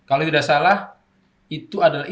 kalau tidak salah itu adalah